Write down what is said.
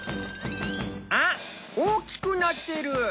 あっ大きくなってる！